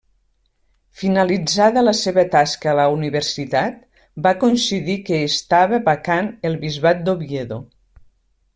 Finalitzada la seva tasca a la universitat, va coincidir que estava vacant el bisbat d'Oviedo.